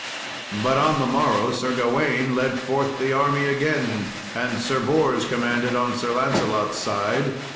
But on the morrow Sir Gawain led forth the army again, and Sir Bors commanded on Sir Lancelot's side.